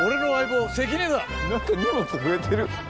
何か荷物増えてる。